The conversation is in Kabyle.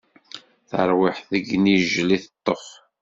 Tarwiḥt deg inijel i teṭṭef.